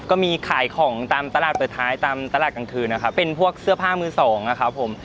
ก็มีขายของตามตลาดเปิดท้ายตามตลาดกลางคืนนะครับเป็นพวกเสื้อผ้ามือสองนะครับผม